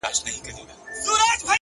د زړه صفا د سکون سرچینه ده